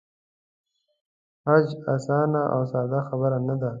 حج آسانه او ساده خبره نه ده.